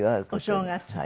お正月。